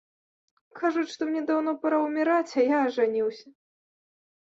Кажуць, што мне даўно пара ўміраць, а я ажаніўся.